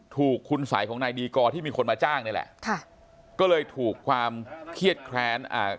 ถูกคุณสัยของนายดีกอร์ที่มีคนมาจ้างนี่แหละค่ะก็เลยถูกความเครียดแค้นอ่า